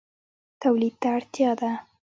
تولید ته اړتیا ده